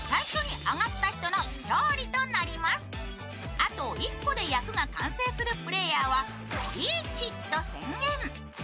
あと１個で役が完成するプレーヤーはリーチ！と宣言。